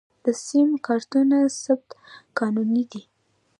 د سم کارتونو ثبت قانوني دی؟